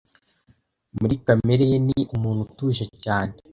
Muri kamere ye ni umuntu utuje cyane.